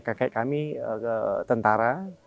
kakek kami tentara